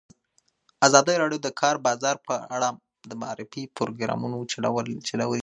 ازادي راډیو د د کار بازار په اړه د معارفې پروګرامونه چلولي.